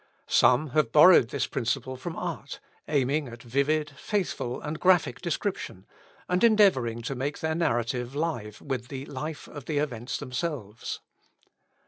Some have borrowed this principle from art, aiming at vivid, faithful, and graphic description, and endeavouring to make their narrative live with the life of the events themselves.